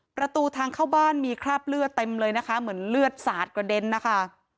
ประตูทางเข้าบ้านมีคราบเลือดเต็มเลยนะคะเหมือนเลือดสาดกระเด็นนะคะ